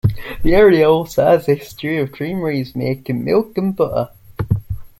The area also has a history of creameries, making milk and butter.